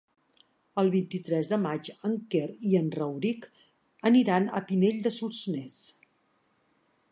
El vint-i-tres de maig en Quer i en Rauric aniran a Pinell de Solsonès.